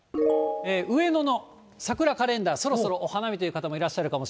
上野の桜カレンダー、そろそろお花見という方もいらっしゃるかも